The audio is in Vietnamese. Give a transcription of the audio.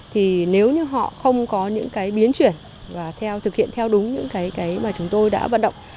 thì nếu như họ không có những cái biến chuyển và thực hiện theo đúng những cái mà chúng tôi đã vận động